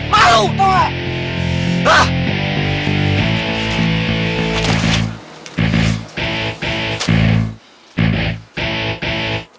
malu tau gak